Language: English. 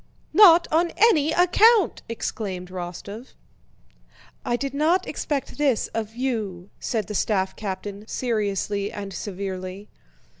"Not on any account!" exclaimed Rostóv. "I did not expect this of you," said the staff captain seriously and severely.